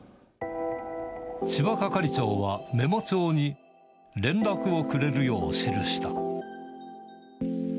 千葉係長は、メモ帳に、連絡をくれるよう記した。